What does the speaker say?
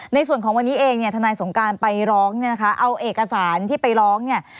ในส่วนของวันนี้เองเนี่ยทนายสงการไปร้องเนี่ยนะคะเอาเอกสารที่ไปร้องเนี่ย